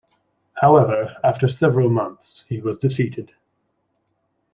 However, after several months, he was defeated.